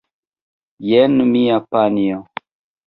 Jen mia panjo!